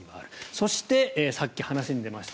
そしてさっき話に出ました